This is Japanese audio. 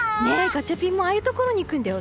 ガチャピンもああいうところに行くんだよ。